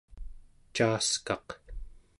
caaskaq